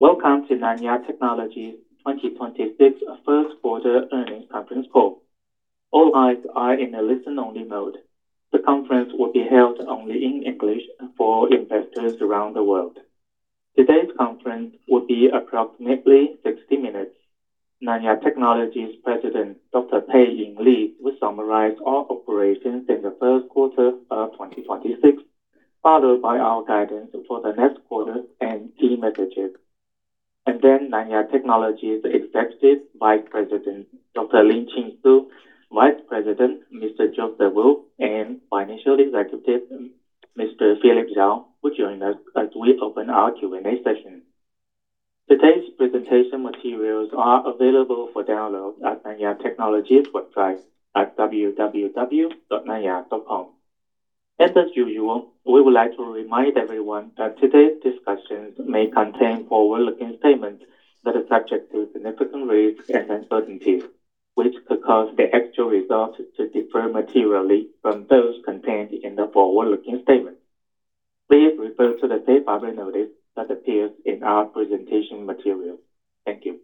Welcome to Nanya Technology's 2026 First Quarter Earnings Conference Call. All lines are in a listen-only mode. The conference will be held only in English for investors around the world. Today's conference will be approximately 60 minutes. Nanya Technology's President, Dr. Pei-Ing Lee, will summarize our operations in the first quarter of 2026, followed by our guidance for the next quarter and key messages. Nanya Technology's Executive Vice President, Dr. Lin-Chin Su, Vice President, Mr. Joseph Wu, and Financial Executive, Mr. Philip Chao, will join us as we open our Q&A session. Today's presentation materials are available for download at Nanya Technology's website at www.nanya.com. As usual, we would like to remind everyone that today's discussions may contain forward-looking statements that are subject to significant risks and uncertainties, which could cause the actual results to differ materially from those contained in the forward-looking statement. Please refer to the safe harbor notice that appears in our presentation material. Thank you.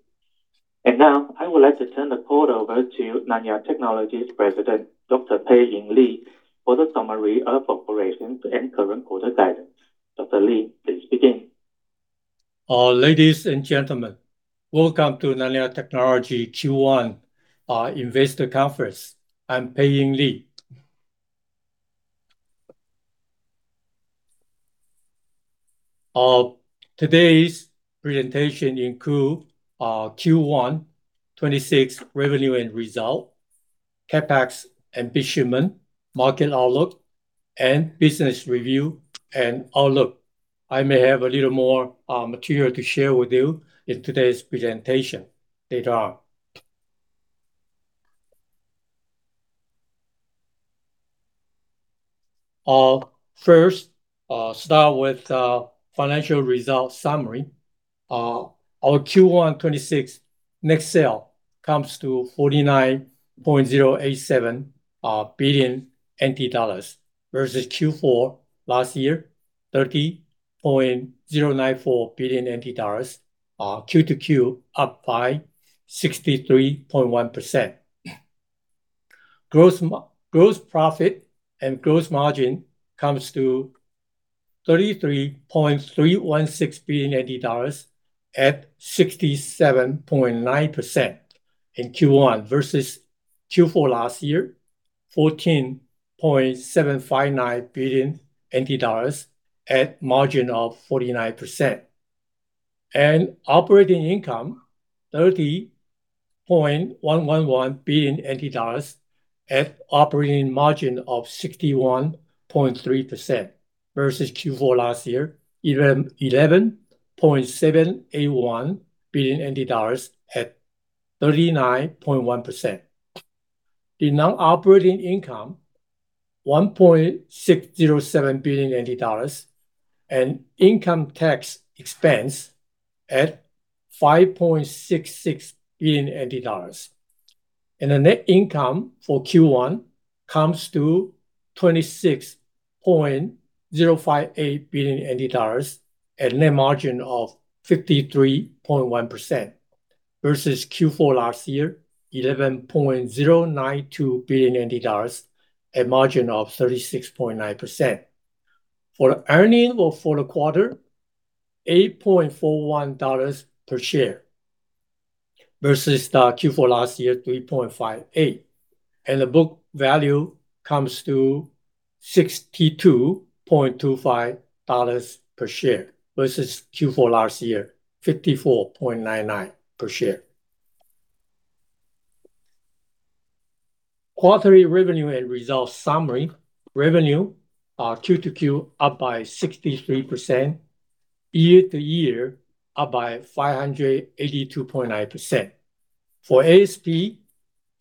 Now I would like to turn the call over to Nanya Technology's President, Dr. Pei-Ing Lee, for the summary of operations and current quarter guidance. Dr. Lee, please begin. Ladies and gentlemen, welcome to Nanya Technology Q1 Investor Conference. I'm Pei-Ing Lee. Today's presentation include Q1 2026 revenue and result, CapEx and shipment, market outlook, and business review and outlook. I may have a little more material to share with you in today's presentation later on. First, start with financial results summary. Our Q1 2026 net sale comes to 49.087 billion NT dollars versus Q4 last year, 30.094 billion NT dollars. Q-to-Q, up by 63.1%. Gross profit and gross margin comes to 33.316 billion at 67.9% in Q1 versus Q4 last year, TWD 14.759 billion at margin of 49%. Operating income, 30.111 billion NT dollars at operating margin of 61.3% versus Q4 last year, 11.781 billion NT dollars at 39.1%. The non-operating income, 1.607 billion dollars, and income tax expense at 5.66 billion dollars. Net income for Q1 comes to 26.058 billion dollars at net margin of 53.1%, versus Q4 last year, 11.092 billion dollars at margin of 36.9%. For the quarter, 8.41 dollars per share, versus Q4 last year, 3.58. Book value comes to 62.25 dollars per share, versus Q4 last year, 54.99 per share. Quarterly revenue and results summary. Revenue are Q-to-Q up by 63%, year-to-year up by 582.9%. For ASP,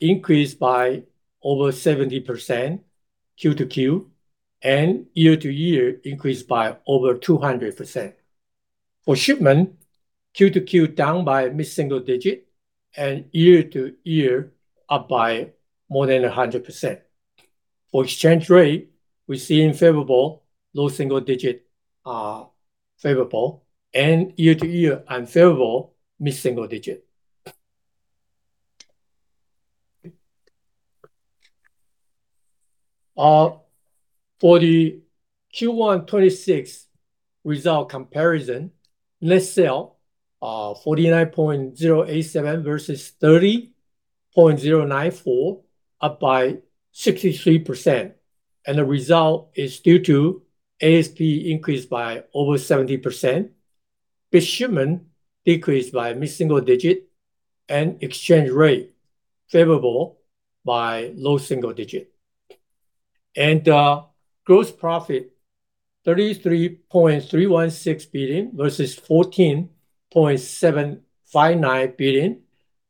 increased by over 70% Q-to-Q, and year-to-year increased by over 200%. For shipment, Q-to-Q down by mid-single-digit, and year-to-year up by more than 100%. For exchange rate, we see favorable, low-single-digit are favorable, and year-to-year unfavorable mid-single-digit. For the Q1 2026 result comparison, net sales, 49.087 versus 30.094, up by 63%. The result is due to ASP increased by over 70%, the shipment decreased by mid-single-digit, and exchange rate favorable by low-single-digit. Gross profit, 33.316 billion versus 14.759 billion.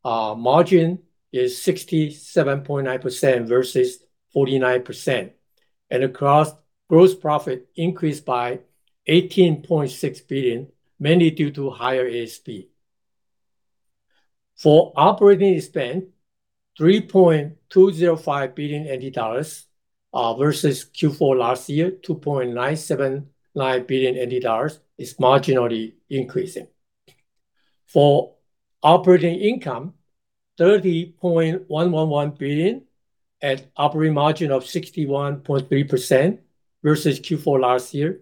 Margin is 67.9% versus 49%. The gross profit increased by 18.6 billion, mainly due to higher ASP. For operating expense, 3.205 billion NT dollars, versus Q4 last year, 2.979 billion NT dollars is marginally increasing. For operating income, 30.111 billion at operating margin of 61.3% versus Q4 last year,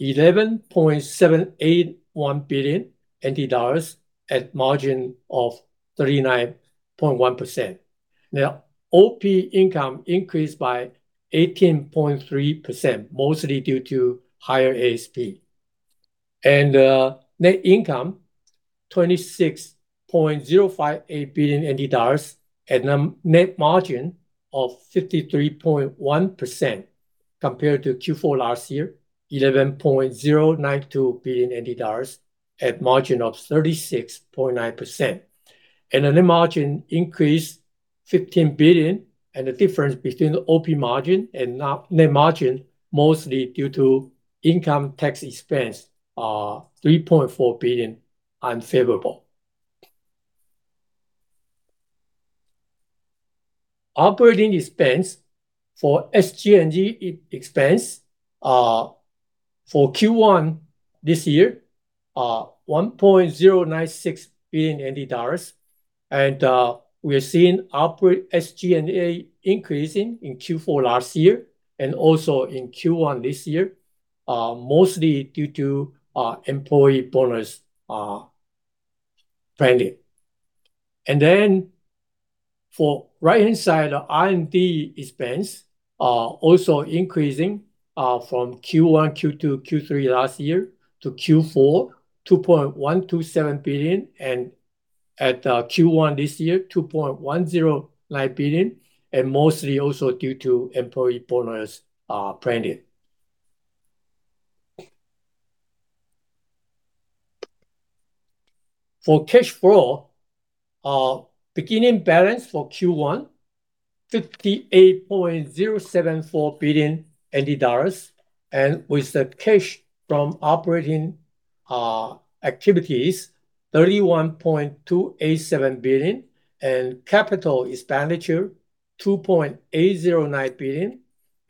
11.781 billion NT dollars at margin of 39.1%. Now, operating income increased by 18.3%, mostly due to higher ASP. Net income 26.058 billion NT dollars at a net margin of 53.1%, compared to Q4 last year, 11.092 billion at margin of 36.9%. The net margin increased 15 billion, and the difference between the OP margin and net margin mostly due to income tax expense are 3.4 billion unfavorable. Operating expense for SG&A expense for Q1 this year are 1.096 billion NT dollars. We are seeing operating SG&A increasing in Q4 last year and also in Q1 this year, mostly due to employee bonus planning. For right-hand side, the R&D expense are also increasing from Q1, Q2, Q3 last year to Q4, 2.127 billion. At Q1 this year, 2.109 billion and mostly also due to employee bonus planning. For cash flow, beginning balance for Q1, 58.074 billion NT dollars. With the cash from operating activities, 31.287 billion and capital expenditure 2.809 billion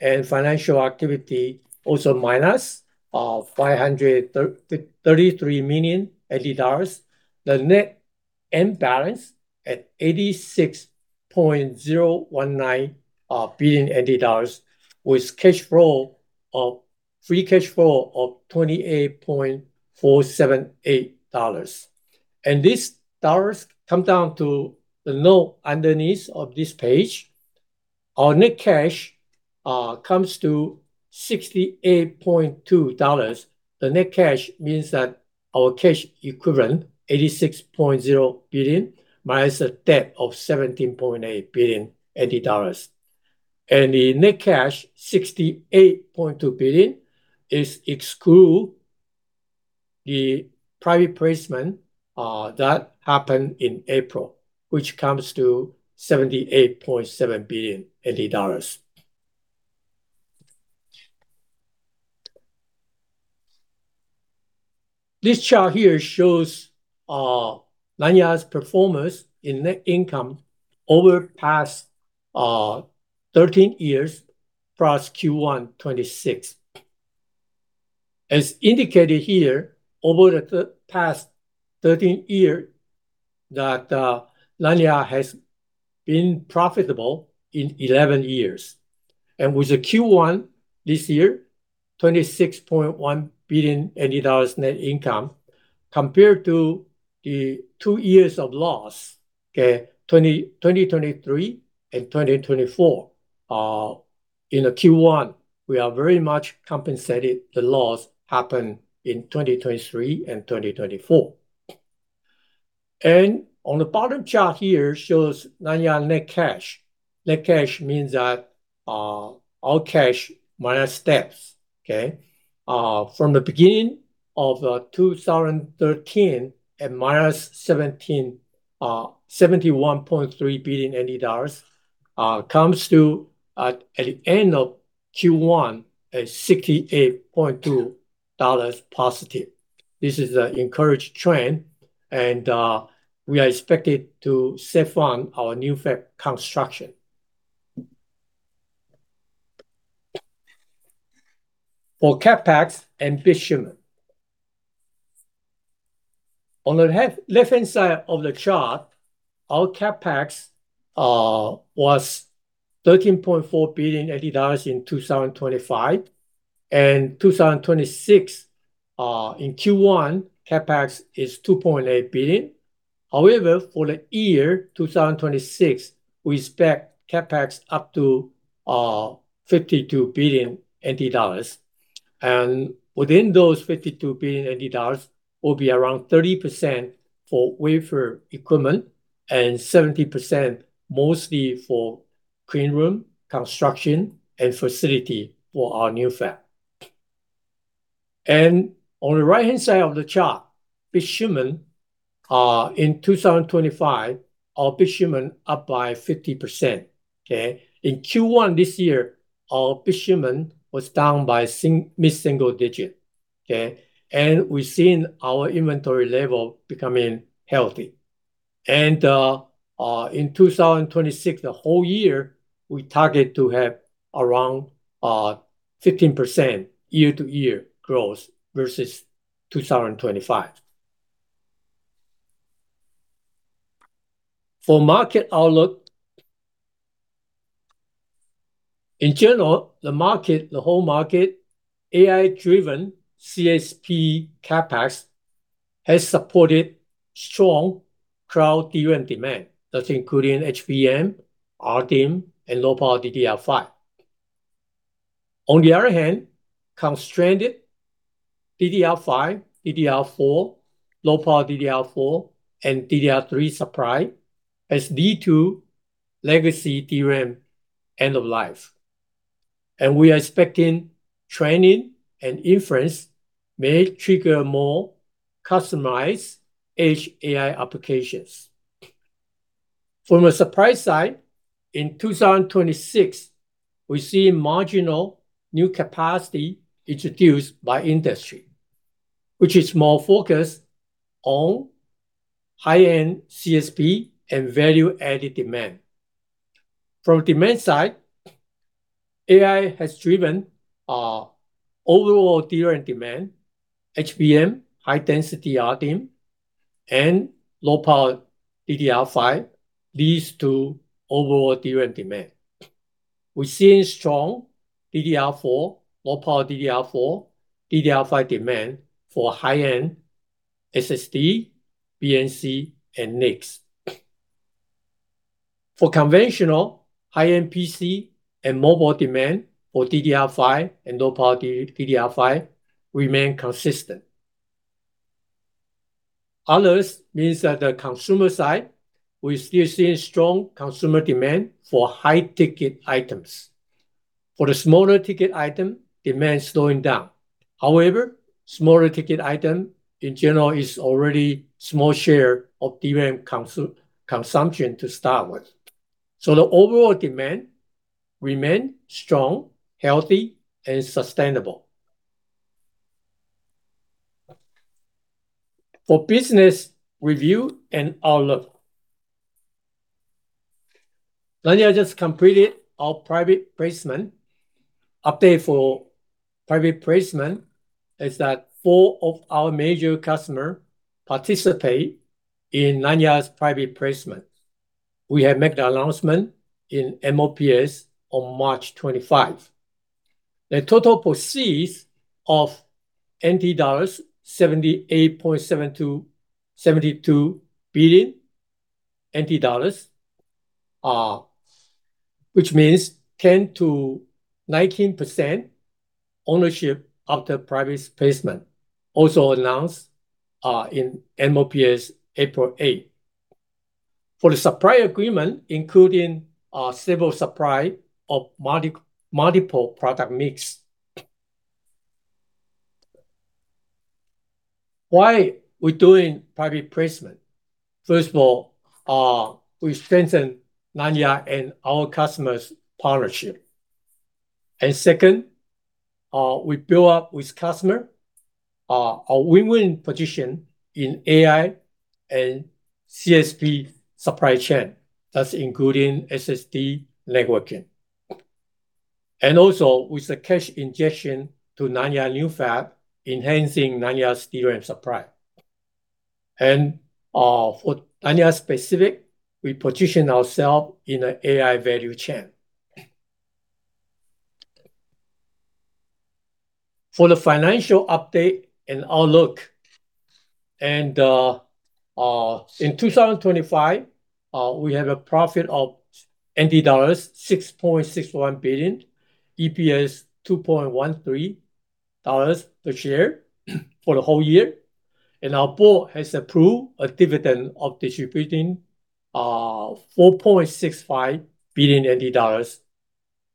and financial activity also minus of 533 million NT dollars. The net end balance at 86.019 billion NT dollars with free cash flow of 28.478 dollars. This dollars come down to the note underneath of this page. Our net cash comes to 68.2 billion dollars. The net cash means that our cash equivalent, 86.0 billion, minus a debt of 17.8 billion. The net cash, 68.2 billion, is exclude the private placement that happened in April, which comes to TWD 78.7 billion. This chart here shows Nanya's performance in net income over past 13 years, plus Q1 2026. As indicated here, over the past 13 year, that Nanya has been profitable in 11 years. With the Q1 this year, 26.1 billion dollars net income compared to the two years of loss, okay, 2023 and 2024. In the Q1, we are very much compensated the loss happened in 2023 and 2024. On the bottom chart here shows Nanya net cash. Net cash means that our cash minus debts, okay? From the beginning of 2023 at minus 71.3 billion dollars, comes to, at the end of Q1, at 68.2 dollars positive. This is an encouraging trend and we are expected to self-fund our new FAB construction. For CapEx and bit shipment. On the left-hand side of the chart, our CapEx was TWD 13.4 billion in 2025. In 2026, in Q1, CapEx is TWD 2.8 billion. However, for the year 2026, we expect CapEx up to 52 billion NT dollars. Within those 52 billion NT dollars, will be around 30% for wafer equipment and 70% mostly for clean room construction and facility for our new FAB. On the right-hand side of the chart, bit shipment. In 2025, our bit shipment up by 50%, okay? In Q1 this year, our bit shipment was down by mid-single digit. Okay. We've seen our inventory level becoming healthy. In 2026, the whole year, we target to have around 15% year-to-year growth versus 2025. For market outlook, in general, the whole market, AI-driven CSP CapEx has supported strong cloud DRAM demand. That's including HBM, RDIMM, and low-power DDR5. On the other hand, constrained DDR5, DDR4, low-power DDR4, and DDR3 supply has led to legacy DRAM end of life. We are expecting training and inference may trigger more customized edge AI applications. From a supply side, in 2026, we see marginal new capacity introduced by industry, which is more focused on high-end CSP and value-added demand. From demand side, AI has driven overall DRAM demand, HBM, high-density RDIMM, and low-power DDR5 leads to overall DRAM demand. We're seeing strong DDR4, low-power DDR4, DDR5 demand for high-end SSD, BMC, and NICs. For conventional high-end PC and mobile demand for DDR5 and low-power DDR5 remain consistent. Others means that the Consumer side, we're still seeing strong consumer demand for high-ticket items. For the smaller-ticket item, demand is slowing down. However, smaller-ticket item in general is already small share of DRAM consumption to start with. The overall demand remain strong, healthy, and sustainable. For Business Review and Outlook, Nanya just completed our private placement. Update for private placement is that four of our major customer participate in Nanya's private placement. We have made the announcement in MOPS on March 25. The total proceeds of TWD 78.72 billion, which means 10%-19% ownership after private placement, also announced in MOPS April 8. For the supply agreement, including stable supply of multiple product mix, why we're doing private placement? First of all, we strengthen Nanya and our customers' partnership. Second, we build up with customer, a win-win position in AI and CSP supply chain. That's including SSD networking. With the cash injection to Nanya new FAB, enhancing Nanya's DRAM supply. For Nanya specific, we position ourself in a AI value chain. For the financial update and outlook, in 2025, we have a profit of NT dollars 6.61 billion, EPS 2.13 dollars per share for the whole year. Our board has approved a dividend of distributing 4.65 billion NT dollars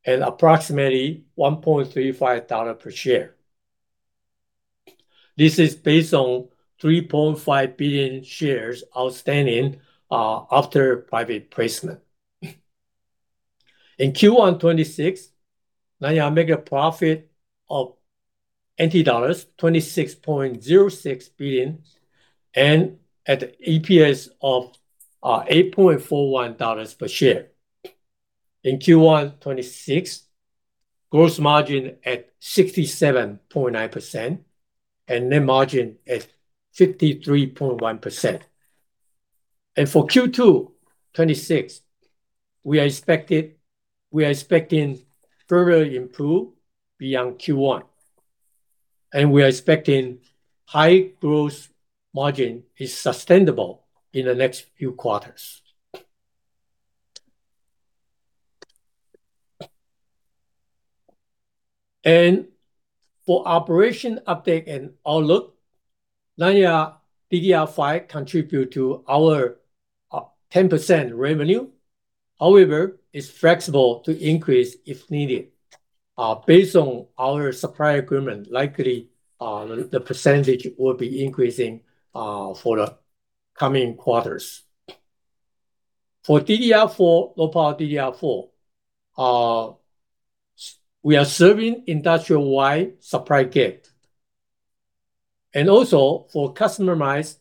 and approximately 1.35 dollar per share. This is based on 3.5 billion shares outstanding after private placement. In Q1 2026, Nanya make a profit of NT dollars 26.06 billion and at EPS of 8.41 dollars per share. In Q1 2026, gross margin at 67.9% and net margin at 53.1%. For Q2 2026, we are expecting further improve beyond Q1. We are expecting high gross margin is sustainable in the next few quarters. For operation update and outlook, Nanya DDR5 contribute to our 10% revenue. However, it's flexible to increase if needed. Based on our supply agreement, likely, the percentage will be increasing for the coming quarters. For low power DDR4, we are serving industry-wide supply gap. For customized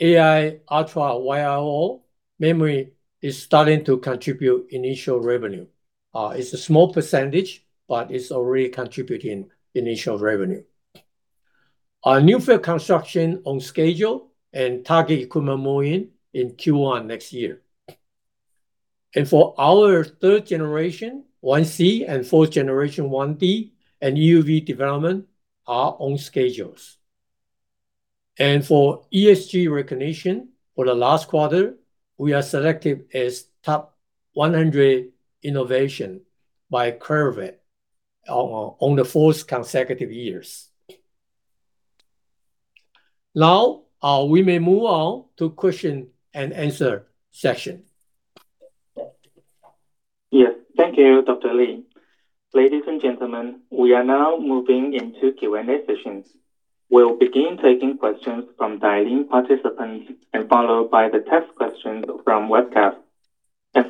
AI UltraWIO, memory is starting to contribute initial revenue. It's a small percentage, but it's already contributing initial revenue. Our new FAB construction on schedule and target equipment move-in in Q1 next year. For our third generation, 1c, and fourth generation, 1D, and EUV development are on schedules. For ESG recognition for the last quarter, we are selected as Top 100 Innovation by Clarivate on the fourth consecutive years. Now, we may move on to Q&A section. Thank you, Dr. Lee. Ladies and gentlemen, we are now moving into Q&A sessions. We'll begin taking questions from dial-in participants and followed by the text questions from webcast.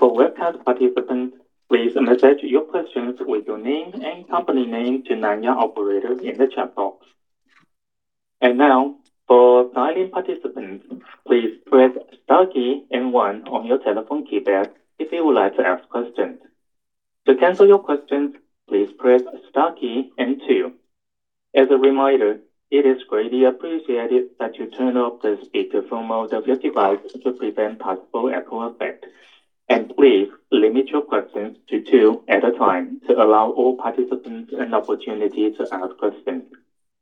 For webcast participants, please message your questions with your name and company name to Nanya operator in the chat box. Now, for dial-in participants, please press star key and one on your telephone keypad if you would like to ask questions. To cancel your questions, please press star key and two. As a reminder, it is greatly appreciated that you turn off the speakerphone of your device to prevent possible echo effect. Please limit your questions to two at a time to allow all participants an opportunity to ask questions.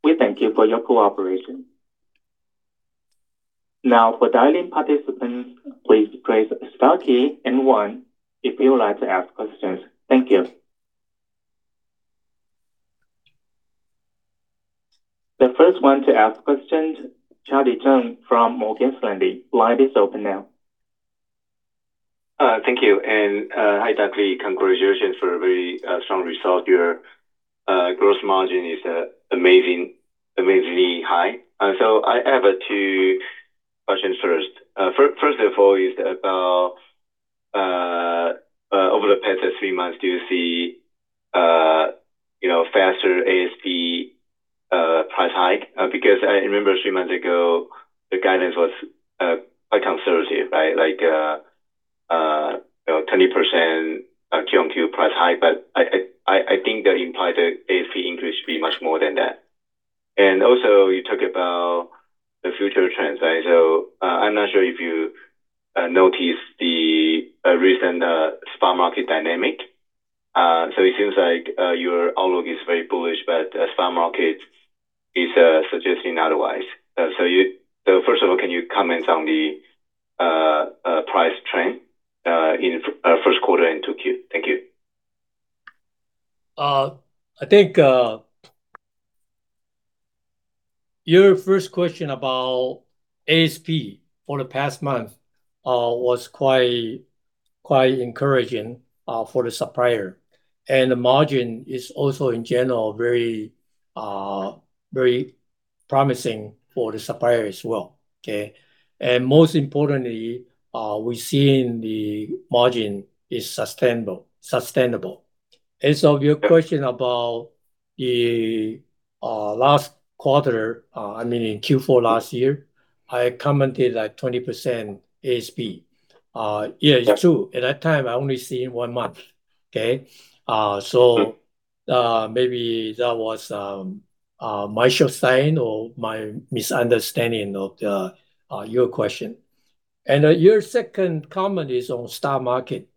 We thank you for your cooperation. Now, for dial-in participants, please press star key and one if you would like to ask questions. Thank you. The first one to ask questions, Charlie Chan from Morgan Stanley. Line is open now. Thank you. Hi, Dr. Lee. Congratulations for a very strong result. Your gross margin is amazingly high. I have two questions first. First of all is about, over the past three months, do you see faster ASP price hike? Because I remember three months ago, the guidance was quite conservative, right? Like 20% Q-on-Q price hike, but I think that implies the ASP increase should be much more than that. Also, you talked about the future trends, right? I'm not sure if you noticed the recent spot market dynamic. It seems like your outlook is very bullish, but spot market is suggesting otherwise. First of all, can you comment on the price trend in first quarter into Q? Thank you. I think your first question about ASP for the past month was quite encouraging for the supplier, and the margin is also, in general, very promising for the supplier as well. Okay. Most importantly, we're seeing the margin is sustainable. Your question about the last quarter, in Q4 last year, I commented at 20% ASP. Yeah, it's true. At that time, I only seen one month. Okay. Maybe that was my short sight or my misunderstanding of your question. Your second comment is on stock market.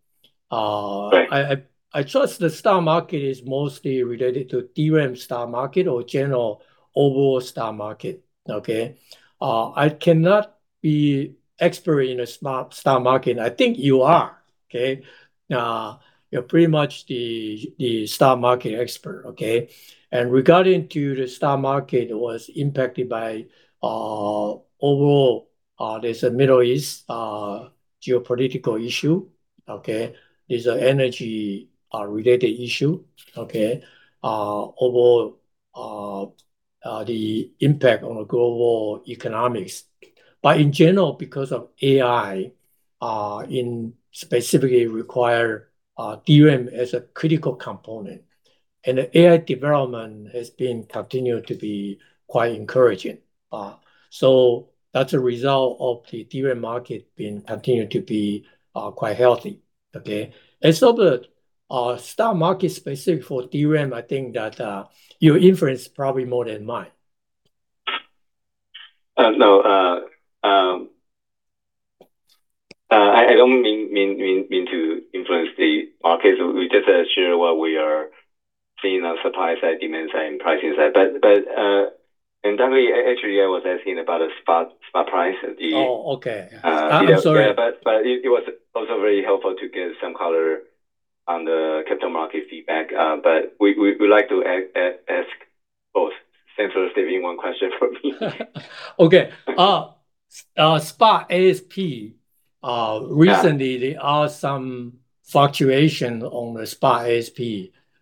Right. I trust the stock market is mostly related to DRAM stock market or general overall stock market. Okay? I cannot be expert in the stock market. I think you are, okay? You're pretty much the stock market expert, okay? Regarding to the stock market was impacted by overall, there's a Middle East geopolitical issue, okay? There's an energy related issue, okay? Overall, the impact on the global economics. In general, because of AI, and specifically require DRAM as a critical component, and the AI development has been continued to be quite encouraging, that's a result of the DRAM market being continued to be quite healthy. Okay? The stock market specific for DRAM, I think that your inference is probably more than mine. No, I don't mean to influence the market. We just share what we are seeing on supply side, demand side, and pricing side. Definitely, actually, I was asking about the spot price. Oh, okay. I'm sorry. It was also very helpful to get some color on the capital market feedback. We like to ask both. Thanks for saving one question for me. Okay. Spot ASP, recently, there are some fluctuation on the spot ASP.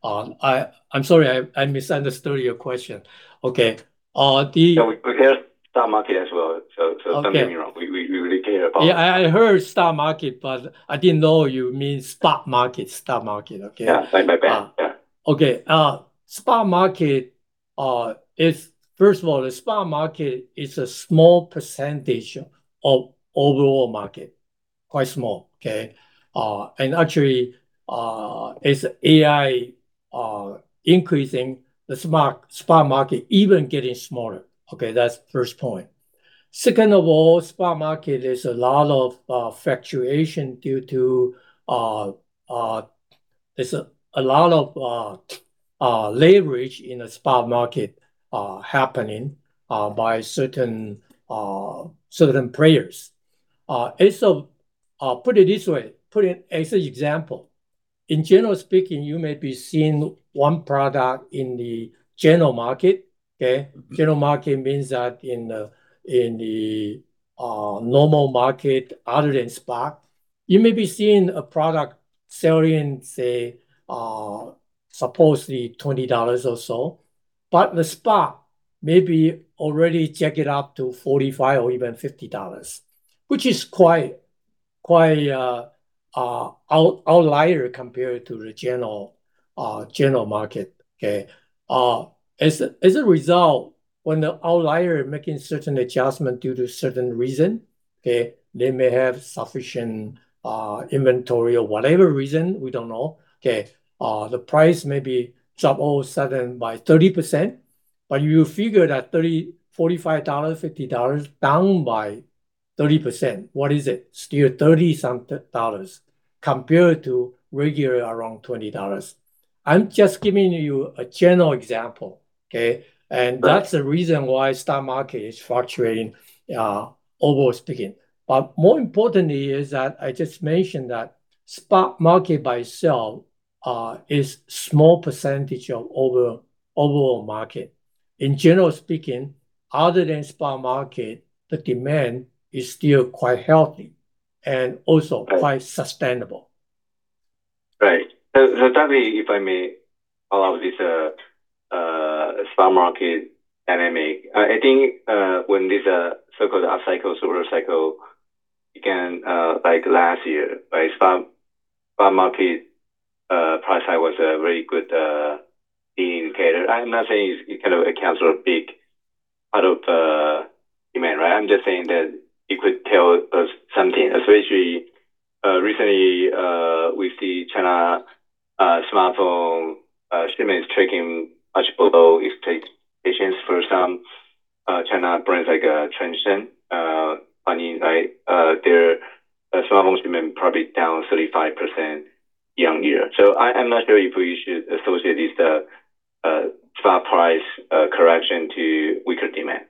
I'm sorry, I misunderstood your question. Okay. No, we care stock market as well. Don't get me wrong. Yeah, I heard stock market, but I didn't know you mean spot market. Spot market, okay. Yeah. Okay. First of all, the spot market is a small percentage of overall market, quite small, okay? Actually, as AI increasing, the spot market even getting smaller. Okay, that's first point. Second of all, spot market is a lot of fluctuation due to, there's a lot of leverage in the spot market happening by certain players. Put it this way, as an example, in general speaking, you may be seeing one product in the general market, okay? General market means that in the normal market other than spot, you may be seeing a product selling, say, supposedly $20 or so, but the spot may be already jack it up to $45 or even $50, which is quite outlier compared to the general market, okay? As a result, when the outlier making certain adjustment due to certain reason, okay, they may have sufficient inventory or whatever reason, we don't know, okay, the price may be drop all of a sudden by 30%. You figure that $45, $50 down by 30%, what is it? Still 30-something dollars compared to regular around $20. I'm just giving you a general example, okay? That's the reason why stock market is fluctuating, overall speaking. More importantly is that I just mentioned that spot market by itself is small percentage of overall market. In general speaking, other than spot market, the demand is still quite healthy and also quite sustainable. Right. Dr. Lee, if I may, all of this spot market dynamic, I think when this so-called upcycle, supercycle began, like last year, the spot market price was a very good indicator. I'm not saying it kind of accounts for a big part of demand, right? I'm just saying that it could tell us something. Especially, recently, we see China smartphone shipments tracking much below expectations for some China brands like Transsion. Funny, right? Their smartphone shipment probably down 35% year-on-year. I'm not sure if we should associate this spot price correction to weaker demand.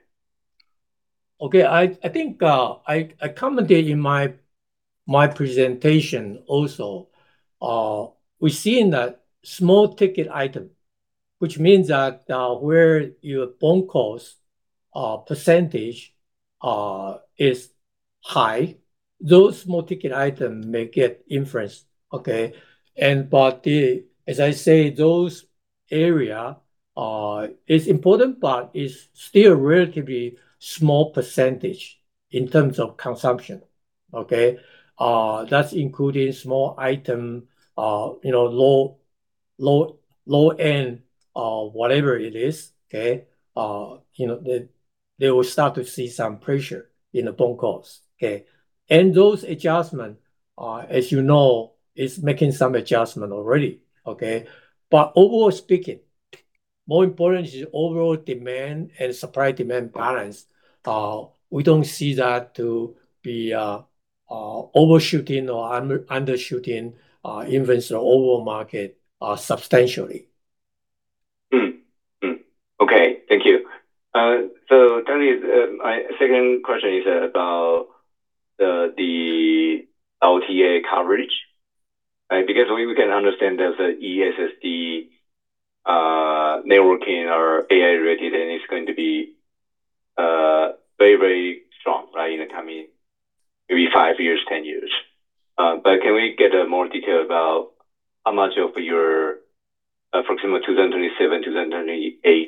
Okay. I think I commented in my presentation also, we're seeing that small ticket item, which means that where your BOM cost % is high, those small ticket items may get influenced, okay? As I say, those area is important, but is still relatively small % in terms of consumption, okay? That's including small item, low end, whatever it is, okay? They will start to see some pressure in the BOM cost, okay? Those adjustment, as you know, is making some adjustment already, okay? Overall speaking, more important is overall demand and supply-demand balance. We don't see that to be overshooting or undershooting in the overall market, substantially. Thank you. Tony, my second question is about the LTA coverage, right, because we can understand that the SSD, networking, or AI-related is going to be very, very strong, right, in the coming maybe five years, ten years. Can we get more detail about how much of your, for example, 2027-2028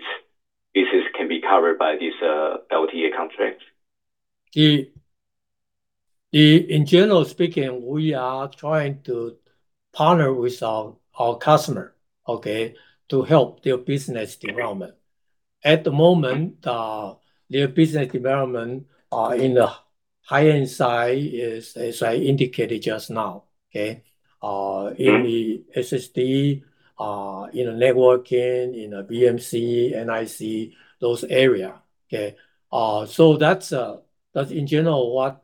business can be covered by this LTA contract? In general speaking, we are trying to partner with our customer, okay? To help their business development. At the moment, their business development in the high-end side is as I indicated just now, okay? In the SSD, in the networking, in the BMC, NIC, those area, okay? So that's in general what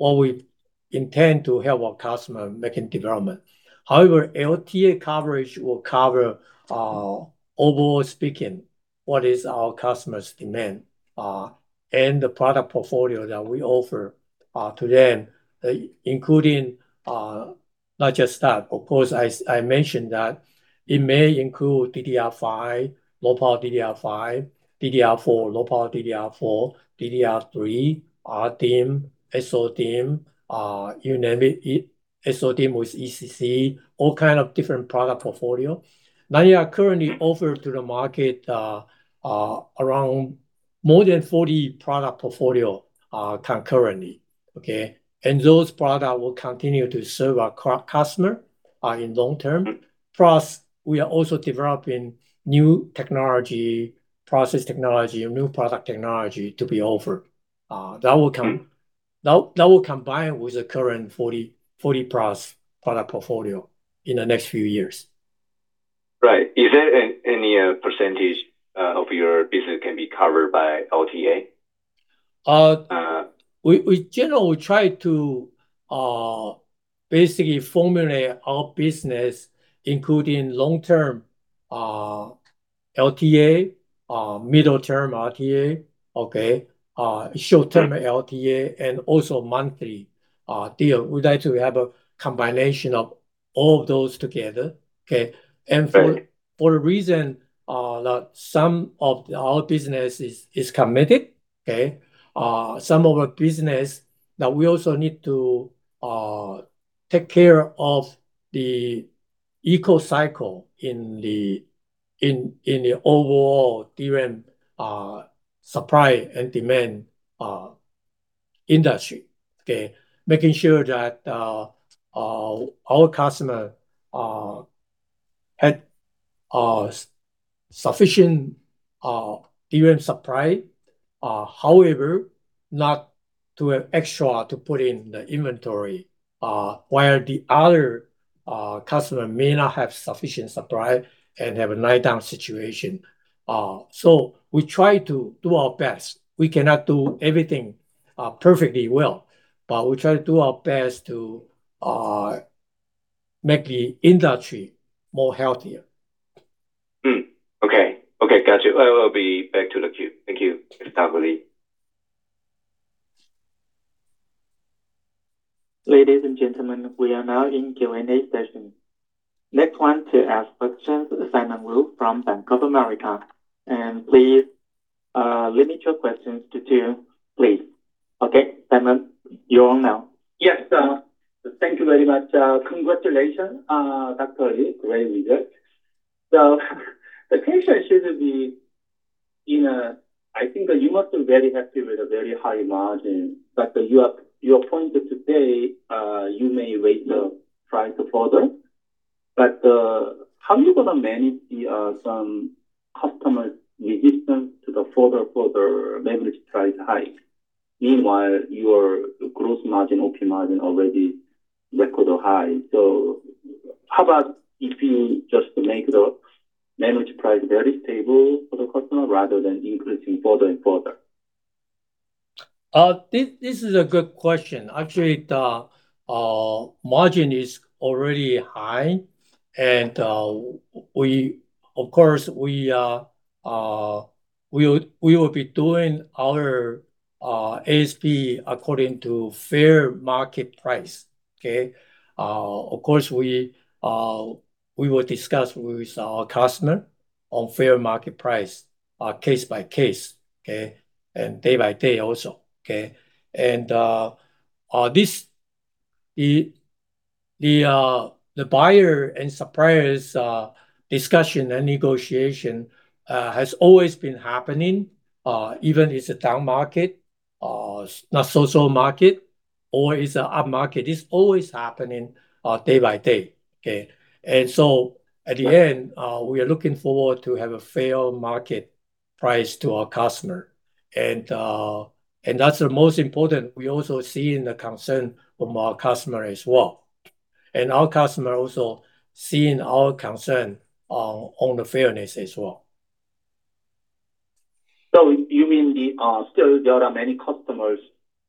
we intend to help our customer making development. However, LTA coverage will cover, overall speaking, what is our customer's demand, and the product portfolio that we offer to them, including not just that. Of course, I mentioned that it may include DDR5, low-power DDR5, DDR4, low-power DDR4, DDR3, RDIMM, SO-DIMM, you name it, SO-DIMM with ECC, all kind of different product portfolio, that we are currently offered to the market around more than 40 product portfolio concurrently. Okay? And those product will continue to serve our customer in long-term. Plus, we are also developing new technology, process technology, and new product technology to be offered. Mm-hmm. That will combine with the current 40+ product portfolio in the next few years. Right. Is there any % of your business can be covered by LTA? We generally try to basically formulate our business, including long-term LTA, middle-term LTA, okay, short-term LTA, and also monthly deal. We like to have a combination of all those together. Okay? Okay. For a reason, that some of our business is committed. Okay? Some of our business that we also need to take care of the eco cycle in the overall DRAM supply and demand industry. Okay? Making sure that our customer had sufficient DRAM supply, however, not to have extra to put in the inventory, while the other customer may not have sufficient supply and have a line down situation. We try to do our best. We cannot do everything perfectly well, but we try to do our best to make the industry more healthier. Okay. Got you. I will be back to the queue. Thank you, Dr. Lee. Ladies and gentlemen, we are now in Q&A session. Next one to ask questions, Simon Wu from Bank of America. Please, limit your questions to two, please. Okay, Simon, you're on now. Yes, thank you very much. Congratulations, Dr. Lee. Great result. I think you must be very happy with a very high margin, but your point today, you may raise the price further. How are you going to manage some customer resistance to the further average price hike? Meanwhile, your gross margin, OP margin already record high. How about if you just make the average price very stable for the customer rather than increasing further and further? This is a good question. Actually, the margin is already high, and of course, we will be doing our ASP according to fair market price. Of course, we will discuss with our customer on fair market price, case by case, and day by day also. The buyer and suppliers discussion and negotiation has always been happening, even it's a down market, not so-so market, or it's a up market. It's always happening day by day. At the end, we are looking forward to have a fair market price to our customer. That's the most important. We also seeing the concern from our customer as well. Our customer also seeing our concern on the fairness as well. You mean still there are many customers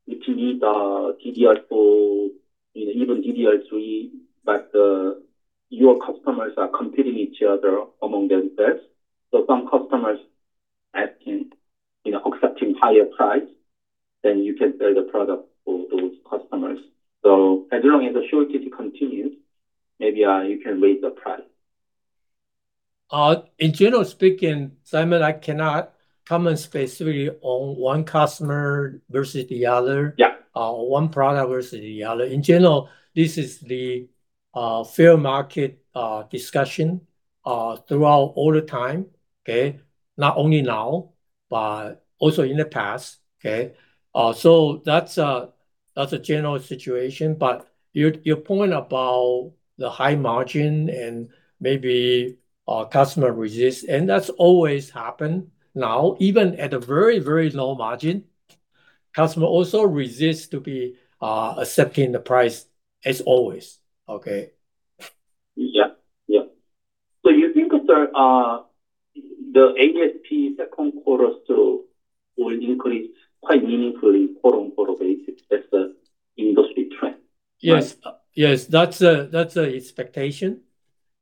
which need the DDR4, even DDR3? Your customers are competing each other among themselves. Some customers acting, accepting higher price, then you can sell the product for those customers. As long as the shortage continues, maybe you can raise the price. In general speaking, Simon, I cannot comment specifically on one customer versus the other. Yep. One product versus the other. In general, this is the fair market discussion throughout all the time, okay? Not only now, but also in the past, okay? That's a general situation, but your point about the high margin and maybe customer resist, and that's always happened. Now, even at a very low margin, customer also resists to be accepting the price as always, okay? Yeah. You think the ASP second quarter still will increase quite meaningfully quarter-on-quarter basis as the industry trend, right? Yes. That's a expectation.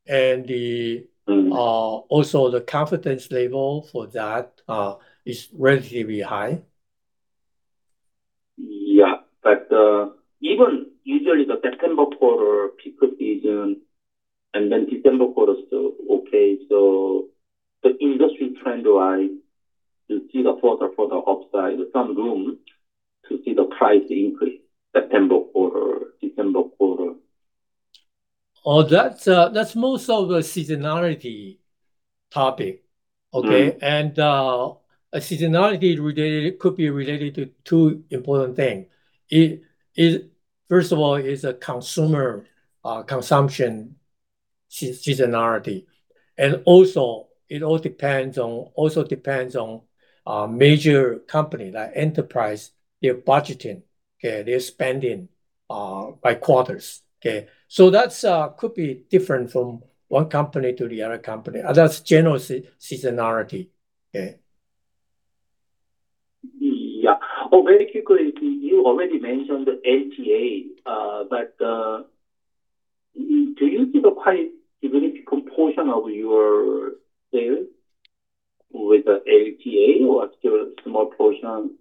Mm-hmm. Also, the confidence level for that is relatively high. Yeah. Even usually the September quarter peak season and then December quarter still okay. The industry trend-wise, you see the further upside, some room to see the price increase September quarter, December quarter. Oh, that's more of a seasonality topic, okay? Mm-hmm. Seasonality could be related to two important thing. First of all, is a consumer consumption seasonality. Also, it all depends on major company, like enterprise, their budgeting, okay, their spending by quarters. Okay? That could be different from one company to the other company, and that's general seasonality. Okay? Yeah. Oh, very quickly, you already mentioned the LTA. Do you see the quite significant portion of your sales with the LTA, or still small portion?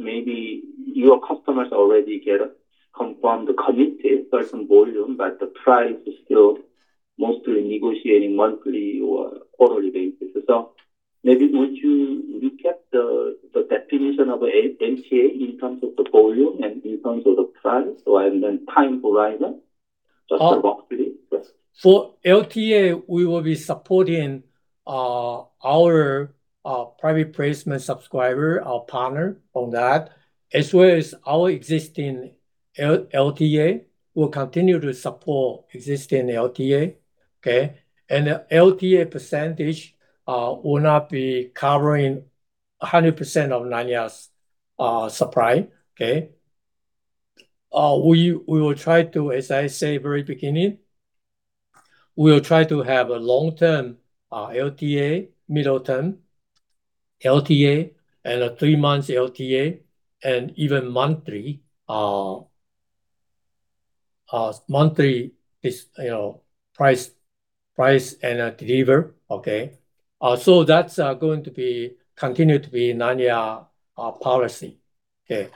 Maybe your customers already get confirmed, committed certain volume, but the price is still mostly negotiating monthly or quarterly basis. Maybe would you recap the definition of LTA in terms of the volume and in terms of the price, and then time horizon, just roughly? Yes. For LTA, we will be supporting our private placement subscriber, our partner on that, as well as our existing LTA. We'll continue to support existing LTA. Okay? The LTA percentage will not be covering 100% of Nanya's supply, okay? As I say very beginning, we'll try to have a long-term LTA, middle term LTA, and a three-month LTA, and even monthly price and deliver, okay? That's going to be continued to be Nanya policy. Okay.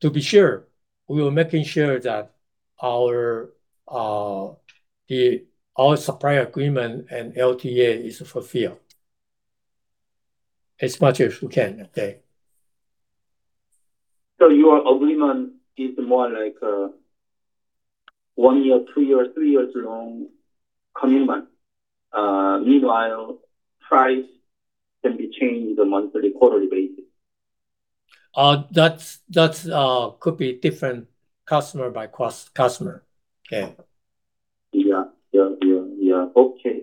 To be sure, we are making sure that all supply agreement and LTA is fulfilled, as much as we can. Okay? Your agreement is more like a one year, two year, three years long commitment. Meanwhile, price can be changed monthly, quarterly basis. That could be different customer by customer. Okay. Yeah. Okay.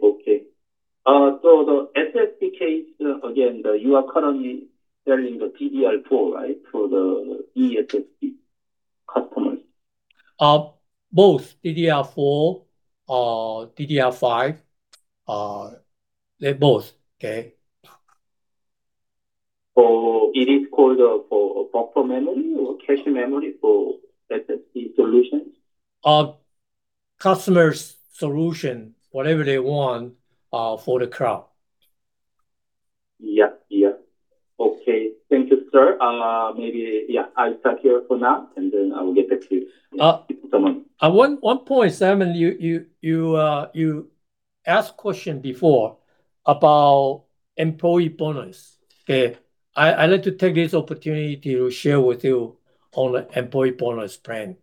The SSD case, again, you are currently selling the DDR4, right, to the SSD customers? Both DDR4, DDR5, they're both. Okay? It is called for buffer memory or cache memory for SSD solutions? Customer's solution, whatever they want, for the cloud. Yeah. Okay. Thank you, sir. Maybe, yeah, I'll stop here for now, and then I will get back to you. One point, Simon, you asked question before about employee bonus. Okay. I'd like to take this opportunity to share with you on the employee bonus plan.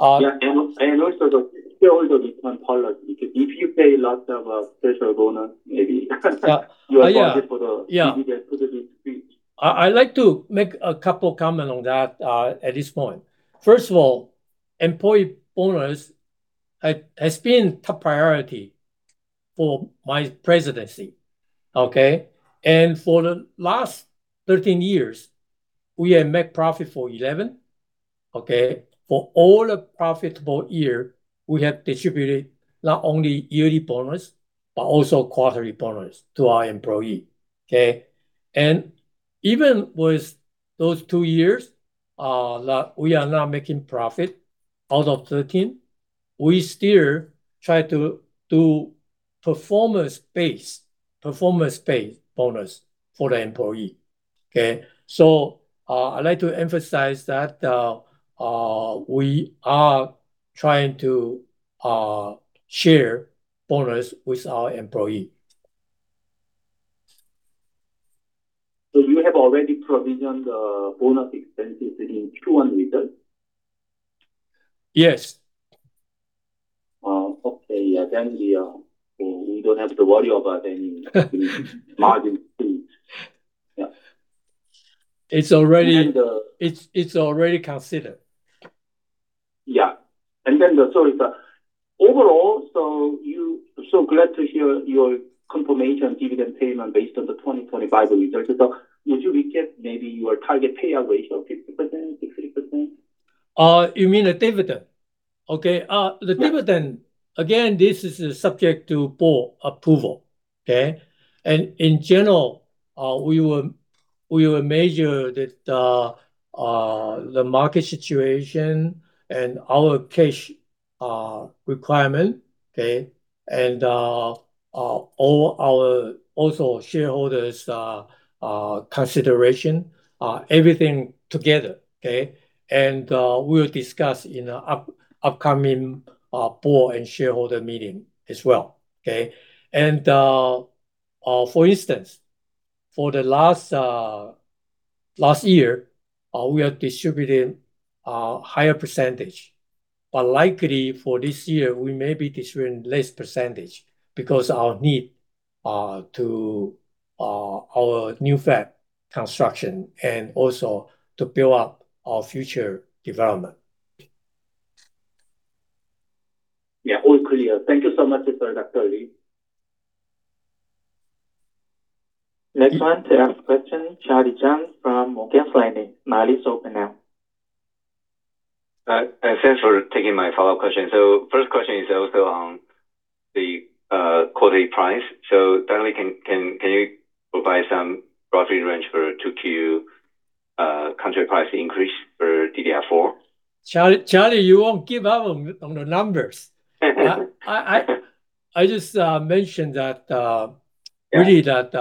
Yeah, also the shareholder return policy, because if you pay lots of special bonus, maybe you are. Yeah Target for the dividend could be at risk. I'd like to make a couple comment on that at this point. First of all, employee bonus has been top priority for my Presidency, okay? For the last 13 years, we have made profit for 11. Okay? For all the profitable year, we have distributed not only yearly bonus, but also quarterly bonus to our employee. Okay? Even with those two years, that we are not making profit out of 13, we still try to do performance-based bonus for the employee. Okay? I'd like to emphasize that we are trying to share bonus with our employee. You have already provisioned the bonus expenses in Q1 result? Yes. Okay. Yeah. We don't have to worry about any margin. Yeah. It's already considered. Yeah. Overall, so glad to hear your confirmation dividend payment based on the 2025 results. Would you recap maybe your target payout ratio, 50%-60%? You mean the dividend? Okay. The dividend, again, this is subject to Board approval, okay? In general, we will measure the market situation and our cash requirement, okay, and all our also shareholders' consideration, everything together, okay? We'll discuss in an upcoming Board and Shareholder Meeting as well. Okay? For instance, for the last year, we are distributing a higher %, but likely for this year, we may be distributing less % because our need to our new Fab construction and also to build up our future development. Yeah. All clear. Thank you so much, Dr. Lee. Next one to ask question, Charlie Chan from Morgan Stanley. The line is open now. Thanks for taking my follow-up question. First question is also on the quarterly price. Can you provide some roughly range for 2Q contract price increase for DDR4? Charlie, you won't give up on the numbers. I just mentioned that. Yeah... really that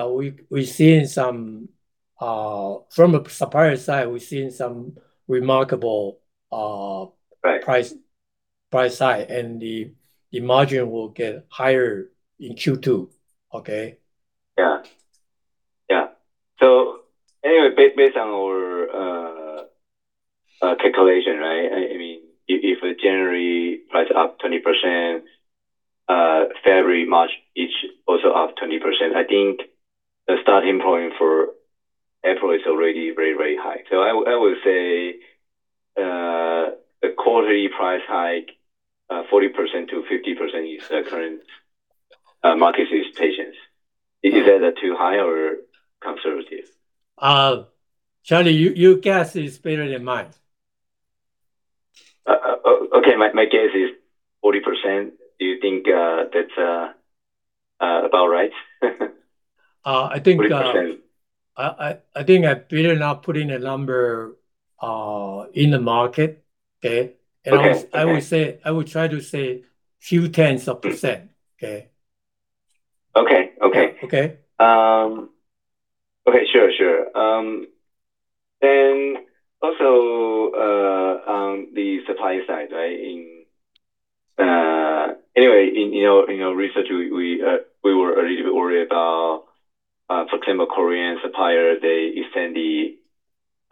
from the supplier side, we're seeing some remarkable- Right Price side, and the margin will get higher in Q2. Okay? Yeah. Anyway, based on our calculation, right, if January price up 20%, February, March, each also up 20%, I think the starting point for April is already very, very high. I would say, the quarterly price hike, 40%-50% is the current market expectations. Is that too high or conservative? Charlie, your guess is better than mine. Okay. My guess is 40%. Do you think that's about right? I think. 40% I better not put in a number in the market. Okay? Okay. I will try to say few 10s of %. Okay? Okay. Okay. Okay. Sure. On the supply side, right, in research, we were a little bit worried about, for example, Korean supplier, they extend the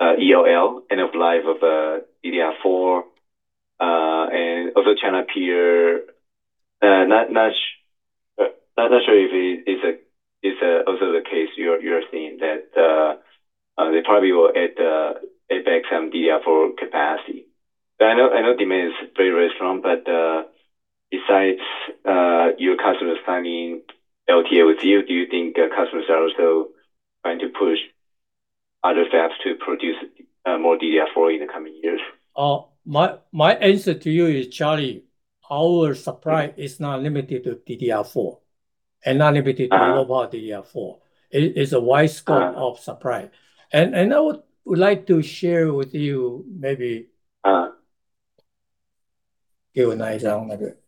EOL, end of life, of DDR4. China peer, not sure if it is also the case you're seeing, that they probably will add back some DDR4 capacity. I know demand is very strong, but, besides your customers signing LTA with you, do you think customers are also trying to push other FABs to produce more DDR4 in the coming years? My answer to you is, Charlie, our supply is not limited to DDR4 and not limited to mobile DDR4. It is a wide scope of supply. I would like to share with you maybe, give a nice round of it.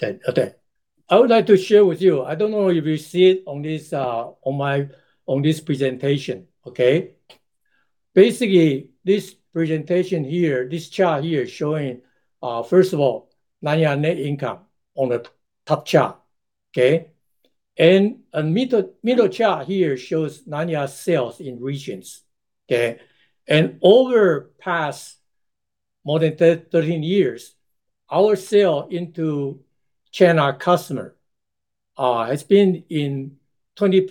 Okay, I would like to share with you, I don't know if you see it on this presentation. Okay? Basically, this presentation here, this chart here showing, first of all, Nanya net income on the top chart. Okay? Middle chart here shows Nanya sales in regions. Okay? Over past more than 13 years, our sale into China customer has been in 20%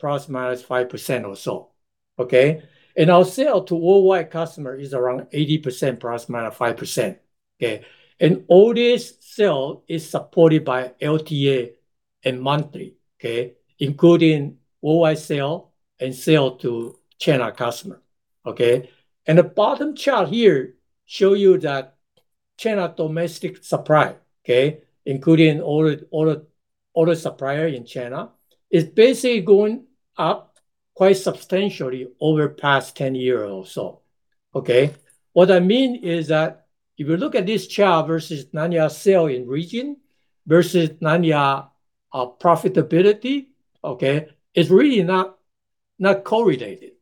±5% or so. Okay? Our sale to worldwide customer is around 80% ±5%. Okay? All this sale is supported by LTA and monthly, okay, including worldwide sale and sale to China customer. Okay? The bottom chart here show you that China domestic supply, okay, including all the supplier in China, is basically going up quite substantially over past 10 year or so. Okay? What I mean is that if you look at this chart versus Nanya sale in region versus Nanya profitability, okay, it's really not correlated.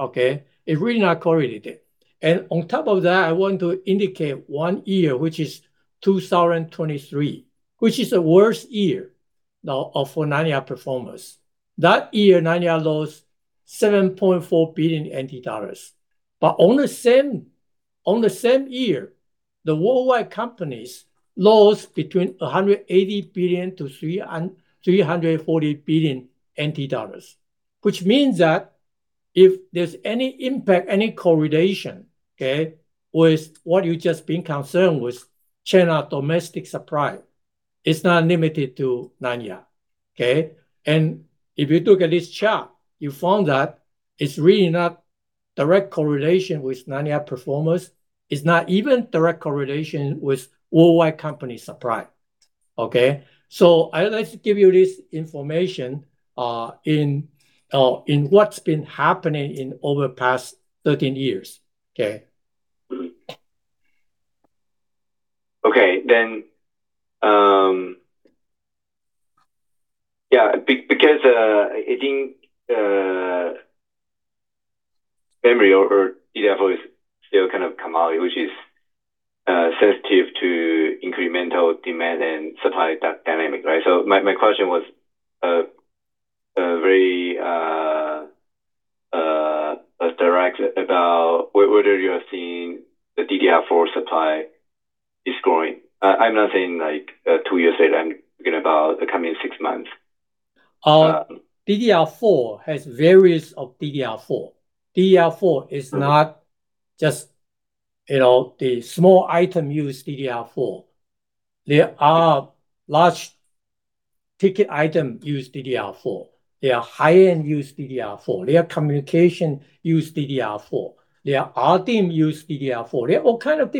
Okay? It really not correlated. On top of that, I want to indicate one year, which is 2023, which is the worst year now for Nanya performance. That year, Nanya lost 7.4 billion NT dollars. On the same year, the worldwide companies lost between 180 billion-340 billion NT dollars, which means that if there's any impact, any correlation, okay, with what you've just been concerned with China domestic supply, it's not limited to Nanya. Okay? If you look at this chart, you found that it's really not direct correlation with Nanya performance, it's not even direct correlation with worldwide company supply. Okay? I'd like to give you this information in what's been happening in over past 13 years. Okay? Yeah, because I think memory or DDR4 is still kind of commodity, which is sensitive to incremental demand and supply dynamic, right? My question was very direct about whether you're seeing the DDR4 supply is growing. I'm not saying two years later, I'm talking about the coming six months. DDR4 has various of DDR4. DDR4 is not just the small item use DDR4. There are large ticket item use DDR4. There are high-end use DDR4. There are communication use DDR4. There are theme use DDR4. There are all kind of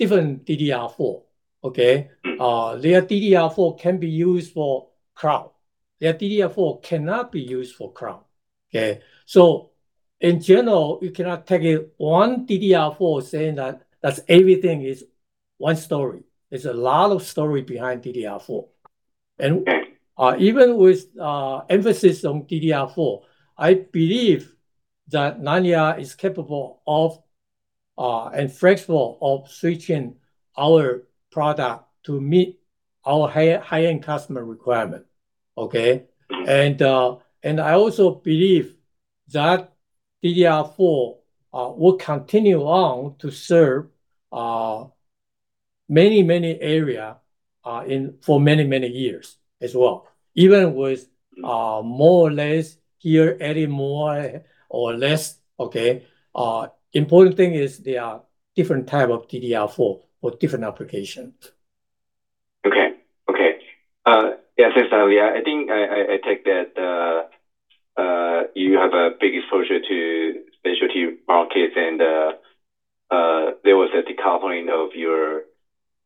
different DDR4, okay? Mm-hmm. There are DDR4 can be used for cloud. There are DDR4 cannot be used for cloud, okay? In general, you cannot take one DDR4 saying that everything is one story. There's a lot of story behind DDR4. Even with emphasis on DDR4, I believe that Nanya is capable of and flexible of switching our product to meet our high-end customer requirement. Okay? I also believe that DDR4 will continue on to serve many, many area for many, many years as well. Even with more or less here, adding more or less, okay, important thing is there are different type of DDR4 for different applications. Okay. Yeah, thanks, Charlie. I think I take that you have a big exposure to specialty markets and there was a decoupling of your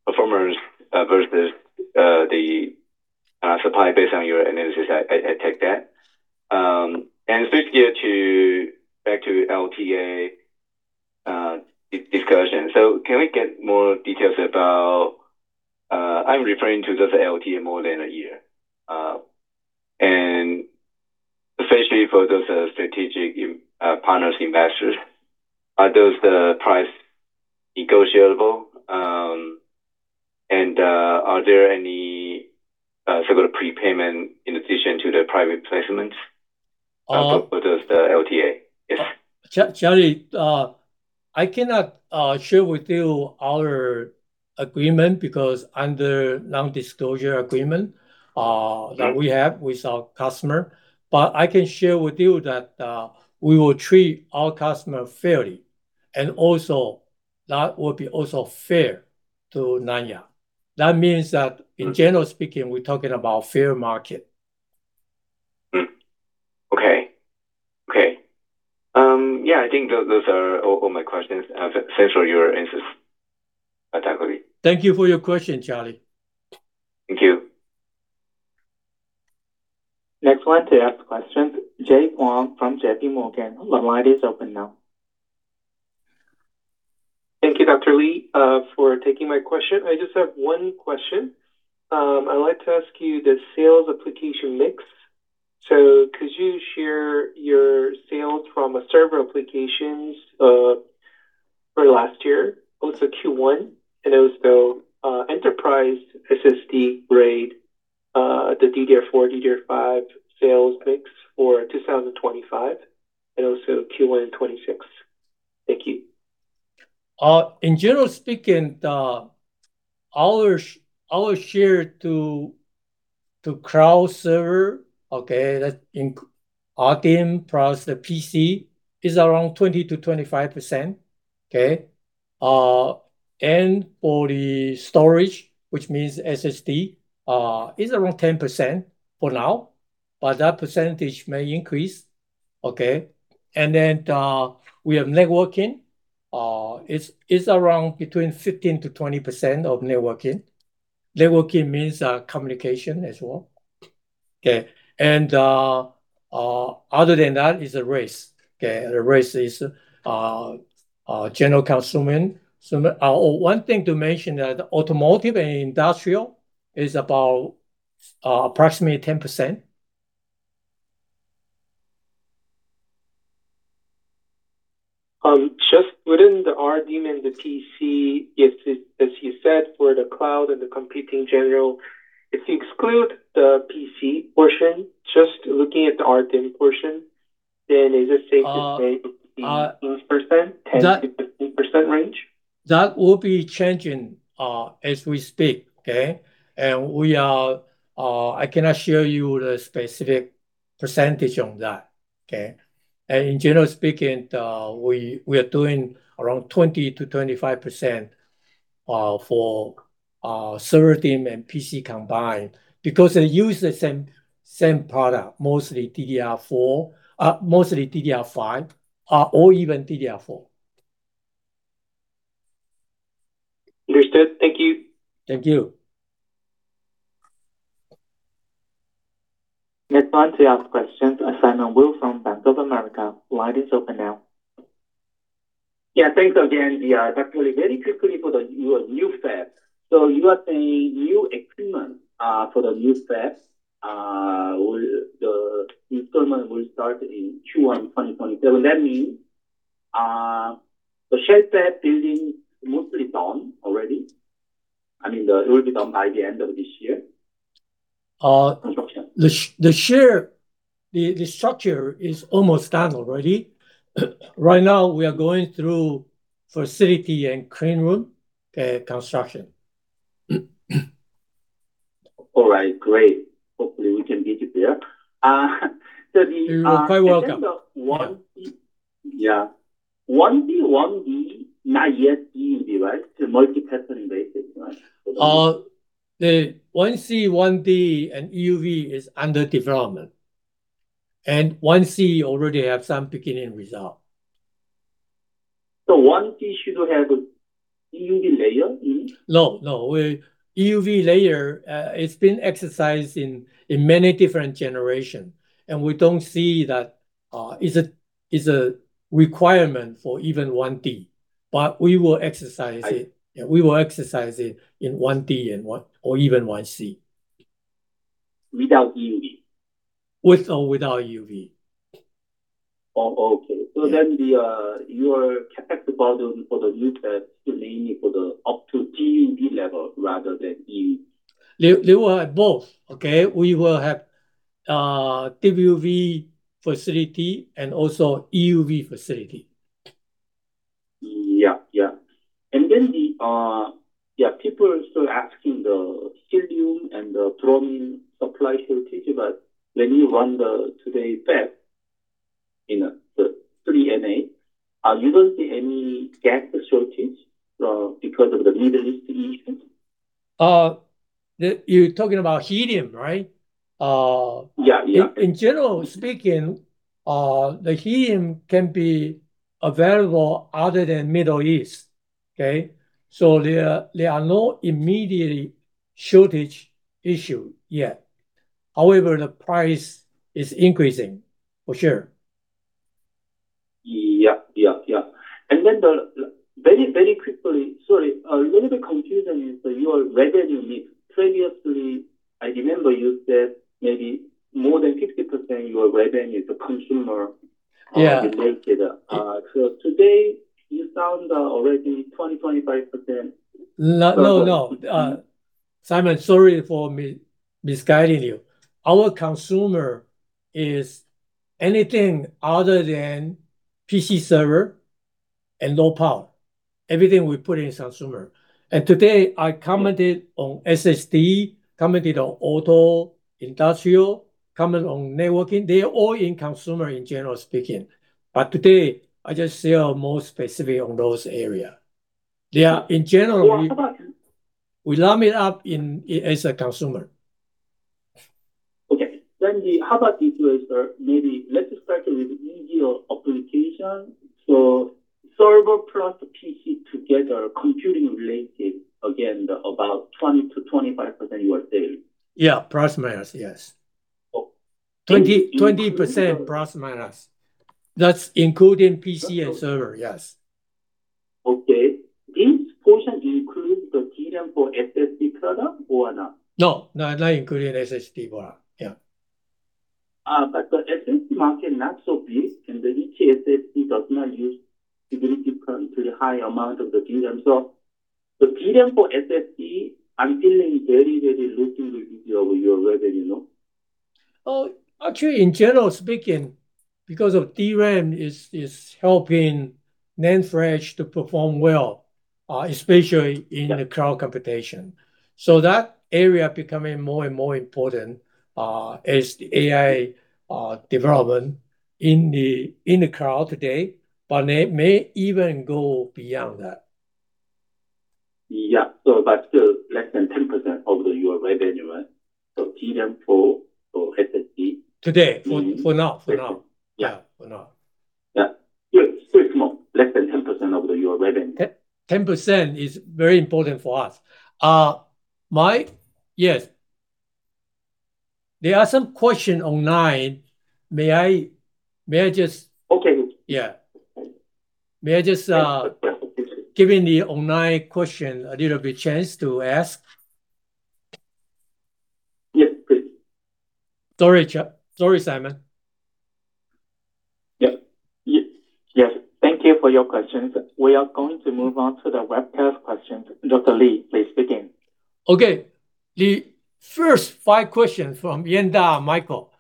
performance versus the supply based on your analysis. I take that. Switch gear back to LTA discussion. Can we get more details about, I'm referring to just LTA more than a year, and especially for those strategic partners, investors, are those the price negotiable? Are there any sort of prepayment in addition to the private placements for the LTA? Yes. Charlie, I cannot share with you our agreement because under nondisclosure agreement that we have with our customer, but I can share with you that we will treat our customer fairly, and also that will be also fair to Nanya. That means that in general speaking, we're talking about fair market. Okay. Yeah. I think those are all my questions. Thanks for your answers, Dr. Lee. Thank you for your question, Charlie. Thank you. Next one to ask questions, Gokul Hariharan from J.P. Morgan. The line is open now. Thank you, Dr. Lee, for taking my question. I just have one question. I'd like to ask you the sales application mix. Could you share your sales from AI server applications for last year, also Q1, and also enterprise SSD, RAID, the DDR4, DDR5 sales mix for 2025, and also Q1 in 2026? Thank you. In general speaking, our share to cloud server, okay, that's in our DIMM plus the PC, is around 20%-25%. Okay? For the storage, which means SSD, is around 10% for now, but that percentage may increase, okay? We have networking, it's around between 15%-20% of networking. Networking means communication as well, okay. Other than that, it's the rest, okay? The rest is general consumer. One thing to mention that automotive and industrial is about approximately 10%. Just within the RDIMM and the PC, as you said, for the cloud and the computing general, if you exclude the PC portion, just looking at the RDIMM portion, then is it safe to say 15%, 10%-15% range? That will be changing as we speak, okay? I cannot show you the specific percentage on that, okay? In general speaking, we are doing around 20%-25% for server team and PC combined because they use the same product, mostly DDR4, mostly DDR5, or even DDR4. Understood. Thank you. Thank you. Next [inaudible] of Bank of America line is open now. Yeah, thanks again. Yeah, actually, very quickly for your new FAB, you are saying new equipment for the new FAB, the installment will start in Q1 2027? That means the shell FAB building mostly done already? I mean, it will be done by the end of this year, construction? The structure is almost done already. Right now, we are going through facility and clean room construction. All right, great. Hopefully, we can visit there. You're quite welcome. In terms of 1c, yeah, 1c, 1D, not yet EUV, right? Multi-patterning based, right? The 1c, 1D, and EUV is under development, and 1c already have some beginning result. 1D should have EUV layer in it? No. EUV layer, it's been exercised in many different generation. We don't see that is a requirement for even 1D. We will exercise it. Yeah, we will exercise it in 1D, or even 1c. Without EUV? With or without EUV. Oh, okay. Your CapEx model for the new FAB still aiming for the up to DUV level rather than EUV? They will have both, okay? We will have DUV facility and also EUV facility. Yeah. People are still asking the helium and the bromine supply shortage, but when you run the today FAB in the 3A, you don't see any gas shortage because of the Middle East issue? You're talking about HBM, right? Yeah. In general speaking, the helium can be available other than Middle East, okay? There are no immediately shortage issue yet. However, the price is increasing, for sure. Yeah. Very quickly, sorry, a little bit confusion is your revenue mix. Previously, I remember you said maybe more than 50% your revenue is consumer. Yeah related. Today you're down already 20%-25%. No. Simon, sorry for misguiding you. Our consumer is anything other than PC, server, and low power. Everything we put in consumer. Today, I commented on SSD, commented on auto, industrial, commented on networking. They are all in consumer, in general speaking. Today, I just say I'm more specific on those areas. Yeah, in general. Yeah. We lump it in as a consumer. Okay. How about this way, sir? Maybe let's start with easy application. Server plus PC together computing related, again, about 20%-25% your sales. Yeah, plus or minus, yes. Oh. 20% ±. That's including PC and server, yes. Okay. This portion includes the DRAM for SSD product or not? No, not including SSD product. Yeah. The SSD market not so big, and the SSD does not use significantly high amount of the DRAM. The DRAM for SSD, I'm feeling very low to your revenue, no? Actually, in general speaking, because of DRAM is helping NAND flash to perform well, especially in the cloud computation, that area becoming more and more important as the AI development in the cloud today, but may even go beyond that. Yeah. But still less than 10% of your revenue, so DRAM for SSD. Today, for now. Yeah. For now. Yeah, still small, less than 10% of your revenue. 10% is very important for us. Yes. There are some questions online. Okay. Yeah. May I just giving the online question a little bit chance to ask? Yes, please. Sorry, Simon. Yes. Thank you for your questions. We are going to move on to the webcast questions. Dr. Lee, please begin. Okay. The first five questions from Yuanta, Michael.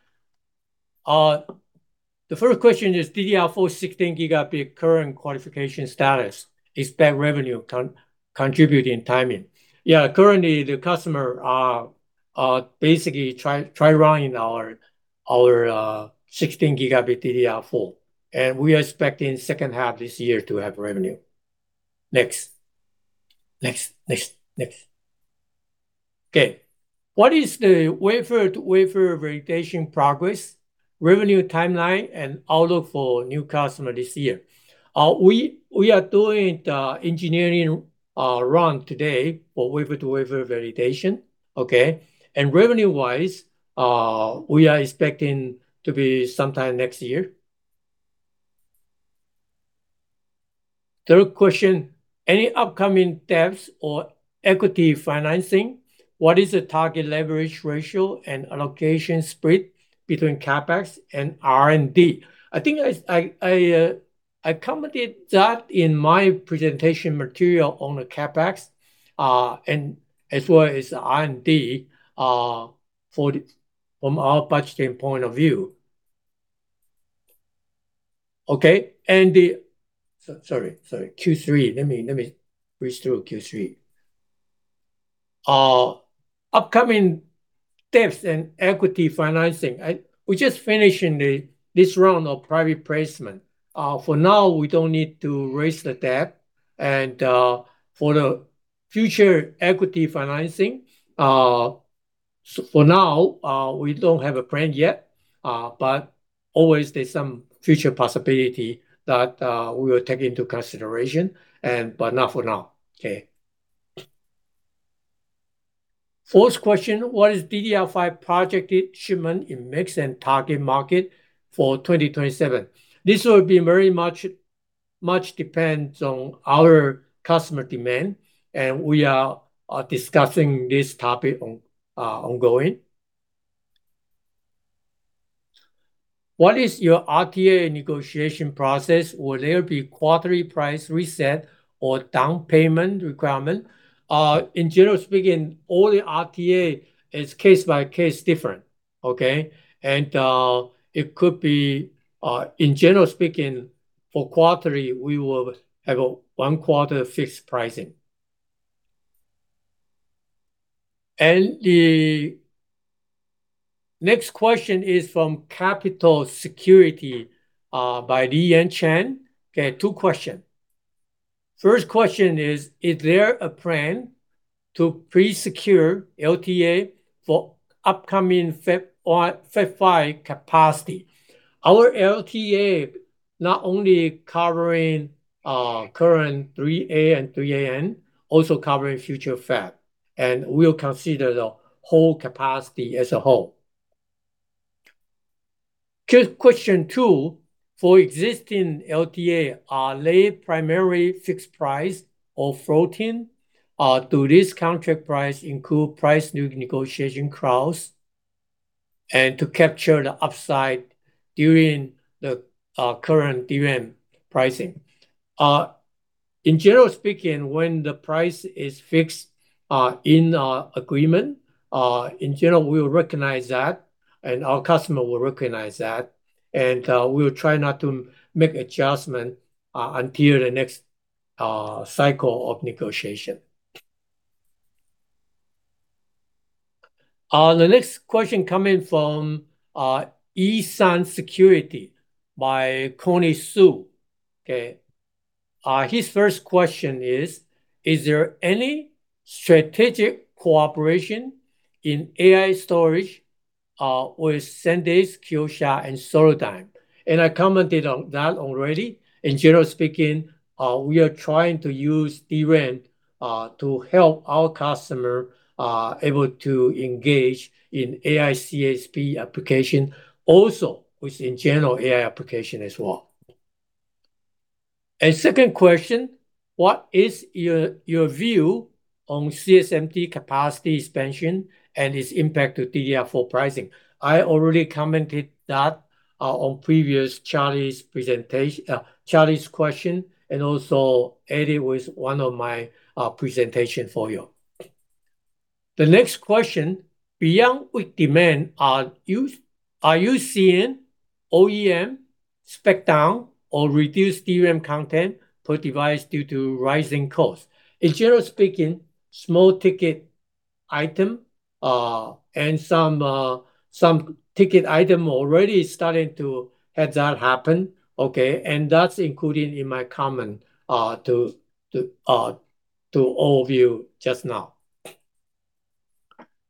The first question is DDR4 16 gigabit current qualification status. Expect revenue contributing timing. Yeah, currently the customer are basically try running our 16 gigabit DDR4, and we are expecting second half this year to have revenue. Next. Okay. What is the wafer-to-wafer variation progress? Revenue timeline and outlook for new customer this year. We are doing the engineering run today for wafer-to-wafer validation. Okay? Revenue-wise, we are expecting to be sometime next year. Third question, any upcoming debts or equity financing? What is the target leverage ratio and allocation split between CapEx and R&D? I think I commented that in my presentation material on the CapEx, and as well as R&D, from our budgeting point of view. Okay. Sorry. Q3. Let me read through Q3. Upcoming debts and equity financing. We're just finishing this round of private placement. For now, we don't need to raise the debt. For the future equity financing, for now, we don't have a plan yet, but always there's some future possibility that we will take into consideration, but not for now. Okay. Fourth question, what is DDR5 projected shipment in mix and target market for 2027? This will be very much depends on our customer demand, and we are discussing this topic ongoing. What is your LTA negotiation process? Will there be quarterly price reset or down payment requirement? In general speaking, all the LTA is case-by-case different, okay? It could be, in general speaking, for quarterly, we will have a one-quarter fixed pricing. The next question is from Capital Securities, by LeAnn Chen. Okay, two question. First question is there a plan to pre-secure LTA for upcoming Fab 5 capacity? Our LTA not only covering current 3A and 3AN, also covering future Fab, and we'll consider the whole capacity as a whole. Question 2, for existing LTA, are they primarily fixed price or floating? Do this contract price include price new negotiation clause and to capture the upside during the current DRAM pricing? In general speaking, when the price is fixed in agreement, in general, we will recognize that, and our customer will recognize that, and we will try not to make adjustment until the next cycle of negotiation. The next question coming from E.SUN Securities by Connie Su. Okay, his first question is there any strategic cooperation in AI storage with SanDisk, Kioxia, and Solidigm? I commented on that already. In general speaking, we are trying to use DRAM to help our customer able to engage in AI CSP application, also within general AI application as well. Second question, what is your view on CXMT capacity expansion and its impact to DDR4 pricing? I already commented that on previous Charlie's question, and also added with one of my presentation for you. The next question, beyond weak demand, are you seeing OEM spec down or reduced DRAM content per device due to rising costs? In general speaking, small ticket item, and some ticket item already starting to have that happen, okay? That's including in my comment to all of you just now.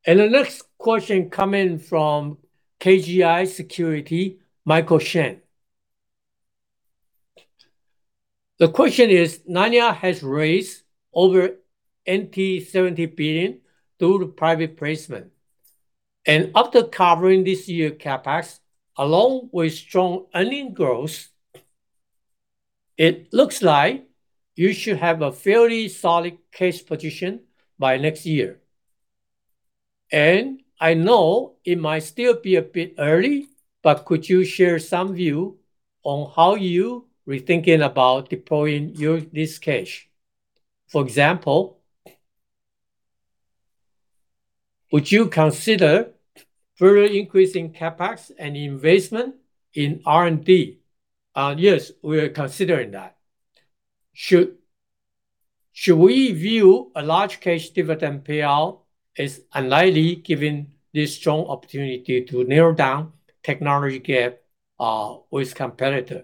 The next question coming from KGI Securities, Michael Shen. The question is, Nanya has raised over 70 billion through the private placement, and after covering this year CapEx, along with strong earning growth, it looks like you should have a fairly solid cash position by next year. I know it might still be a bit early, but could you share some view on how you rethinking about deploying this cash? For example, would you consider further increasing CapEx and investment in R&D? Yes, we are considering that. Should we view a large cash dividend payout as unlikely given this strong opportunity to narrow down technology gap with competitor?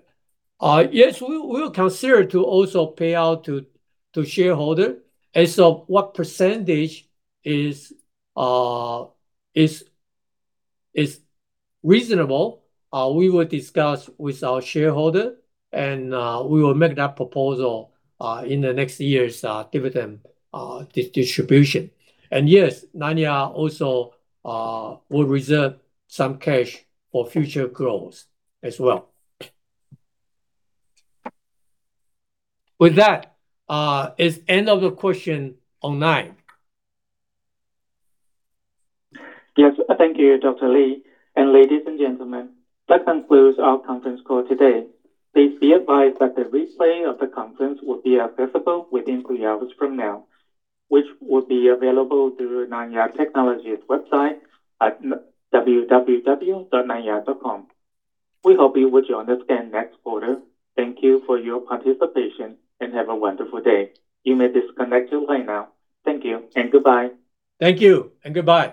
Yes, we'll consider to also pay out to shareholder. What percentage is reasonable, we will discuss with our shareholder, and we will make that proposal in the next year's dividend distribution. Yes, Nanya also will reserve some cash for future growth as well. With that, is end of the question online. Thank you, Dr. Lee and ladies and gentlemen. That concludes our conference call today. Please be advised that the replay of the conference will be accessible within three hours from now, which will be available through Nanya Technology's website at www.nanya.com. We hope you will join us again next quarter. Thank you for your participation, and have a wonderful day. You may disconnect your line now. Thank you and goodbye. Thank you and goodbye.